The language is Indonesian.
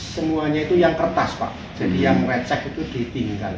semuanya itu yang kertas pak jadi yang recek itu ditinggal